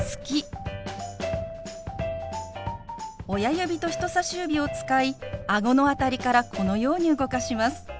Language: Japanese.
親指と人さし指を使いあごの辺りからこのように動かします。